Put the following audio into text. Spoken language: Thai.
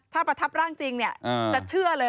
ถ้าประทับร่างจริงเนี่ยจะเชื่อเลย